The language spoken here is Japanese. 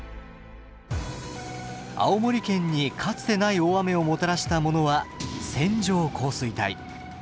青森県にかつてない大雨をもたらしたものは線状降水帯。